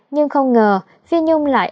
nhưng không ngờ phi nhung lại